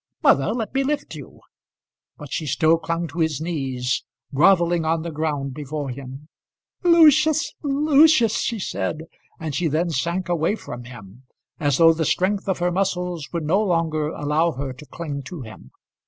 Mother, let me lift you." But she still clung to his knees, grovelling on the ground before him. "Lucius, Lucius," she said, and she then sank away from him as though the strength of her muscles would no longer allow her to cling to him.